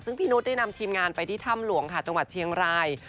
ซึ่งพี่นุษย์ได้นำทีมงานไปที่ถ้ำหลวงค่ะจังหวัดเชียงราย